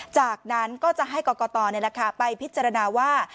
จากนั้นก็จะให้กรกตไปพิจารณาว่า